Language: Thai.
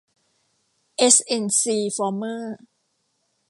เอส เอ็น ซี ฟอร์เมอร์